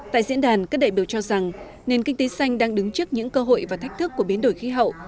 tại diễn đàn các đại biểu cho rằng nền kinh tế xanh đang đứng trước những cơ hội và thách thức của biến đổi khí hậu